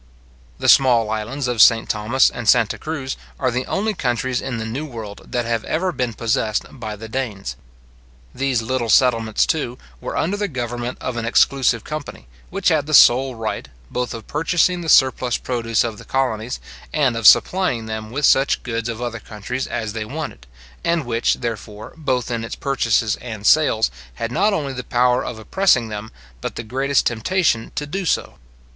The small islands of St. Thomas and Santa Cruz, are the only countries in the new world that have ever been possessed by the Danes. These little settlements, too, were under the government of an exclusive company, which had the sole right, both of purchasing the surplus produce of the colonies, and of supplying them with such goods of other countries as they wanted, and which, therefore, both in its purchases and sales, had not only the power of oppressing them, but the greatest temptation to do so.